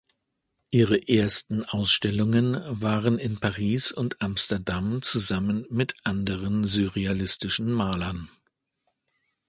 Ihre ersten Ausstellungen waren in Paris und Amsterdam zusammen mit anderen surrealistischen Malern.